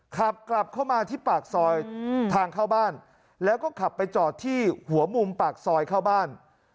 ขับกลับเข้ามาที่ปากซอยทางเข้าบ้านแล้วก็ขับไปจอดที่หัวมุมปากซอยเข้าบ้าน